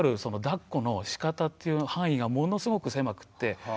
そのだっこのしかたという範囲がものすごく狭くて。